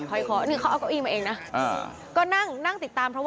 ขอเชิญคับแรงงานสร้างชาติครับ